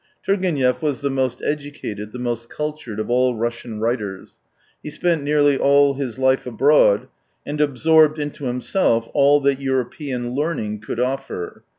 Turgenev was the most educated, the most cultured of all Russian writers. He spent nearly all his life abroad, and absorbed into himself all that European learning could offer.